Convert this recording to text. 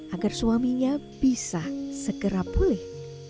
agar suaminya bisa segera pulih